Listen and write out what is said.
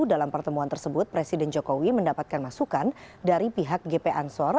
dalam pertemuan tersebut presiden jokowi mendapatkan masukan dari pihak gp ansor